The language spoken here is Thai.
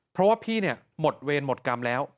เพราะว่าพี่หมดเวรหมดกรรมแล้ว